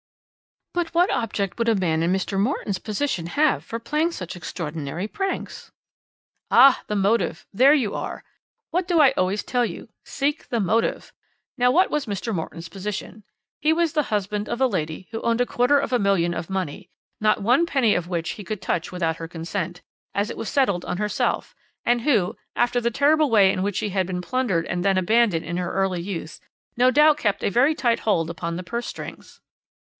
"But what object would a man in Mr. Morton's position have for playing such extraordinary pranks?" "Ah, the motive! There you are! What do I always tell you? Seek the motive! Now, what was Mr. Morton's position? He was the husband of a lady who owned a quarter of a million of money, not one penny of which he could touch without her consent, as it was settled on herself, and who, after the terrible way in which she had been plundered and then abandoned in her early youth, no doubt kept a very tight hold upon the purse strings.